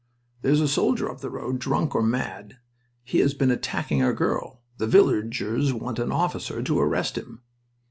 "There's a soldier up the road, drunk or mad. He has been attacking a girl. The villagers want an officer to arrest him."